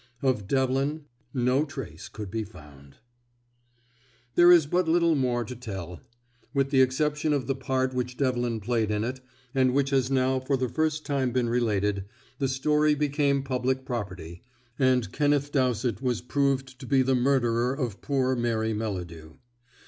Of Devlin no trace could be found. There is but little more to tell. With the exception of the part which Devlin played in it, and which has now for the first time been related, the story became public property, and Kenneth Dowsett was proved to be the murderer of poor Mary Melladew.